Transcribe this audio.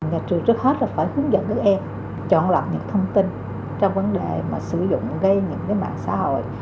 nhà trường trước hết là phải hướng dẫn các em chọn lọc những thông tin trong vấn đề mà sử dụng gây những mạng xã hội